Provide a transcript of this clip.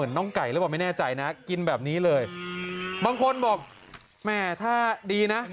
น้องเขาก็ค่อยงาบฟาบเข้าไป